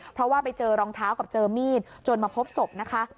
เพราะว่าไปเจอรองเท้ากับเจอมีดจนมาพบศพนะคะ